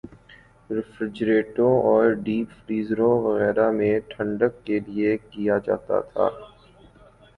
ریفریجریٹروں اور ڈیپ فریزروں وغیرہ میں ٹھنڈک کیلئے کیا جاتا تھا